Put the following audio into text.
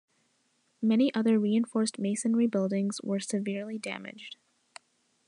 Many other unreinforced masonry buildings were severely damaged.